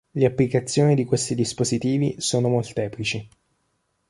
Le applicazioni di questi dispositivi sono molteplici.